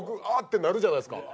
てなるじゃないですか。